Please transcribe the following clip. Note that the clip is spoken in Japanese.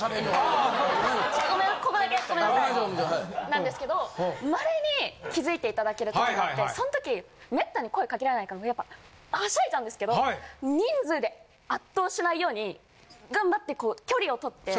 なんですけどまれに気付いて頂ける時があってそん時めったに声かけられないからやっぱはしゃいじゃうんですけど人数で圧倒しないように頑張って距離をとって。